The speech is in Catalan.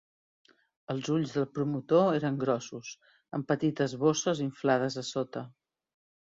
Els ulls del promotor eren grossos, amb petites bosses inflades a sota.